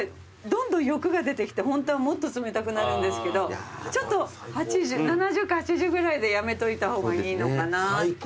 どんどん欲が出てきてホントはもっと詰めたくなるんですけどちょっと７０か８０ぐらいでやめといた方がいいのかなって。